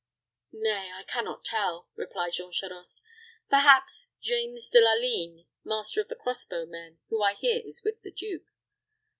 "Nay, I can not tell," replied Jean Charost. "Perhaps James de la Ligne, master of the crossbow men, who I hear is with the duke."